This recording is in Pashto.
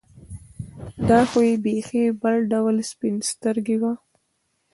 دا خو یې بېخي بل ډول سپین سترګي وه.